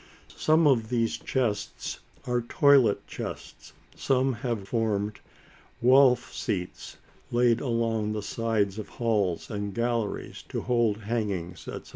Some of these chests are toilet chests; some have formed wall seats, laid along the sides of halls and galleries to hold hangings, etc.